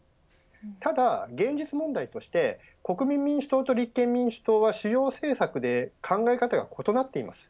ただ、現実問題として国民民主党と立憲民主党は主要政策で考え方が異なっています。